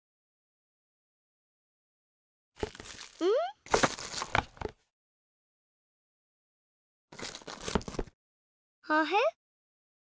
うん？はへ？